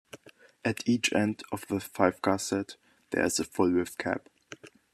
At each end of the five-car set, there is a full-width cab.